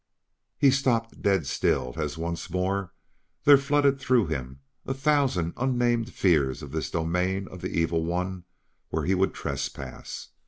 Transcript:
He stopped dead still as once more there flooded through him a thousand unnamed fears of this domain of the Evil One where he would trespass.